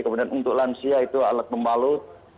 kemudian untuk lansia itu alat pembalut